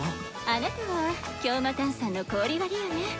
あなたは強魔炭酸の氷割りよね？